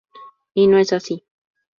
Y no es así".